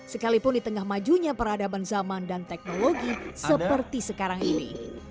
sekalipun di tengah majunya peradaban zaman dan teknologi seperti sekarang ini